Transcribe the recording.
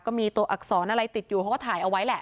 ก็มีตัวอักษรอะไรติดอยู่เขาก็ถ่ายเอาไว้แหละ